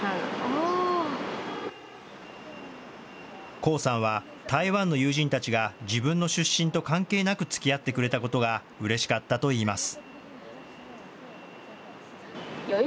向さんは、台湾の友人たちが自分の出身と関係なくつきあってくれたことがうれしかったといいます。